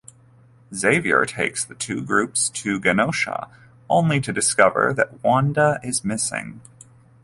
Xavier takes the two groups to Genosha, only to discover that Wanda is missing.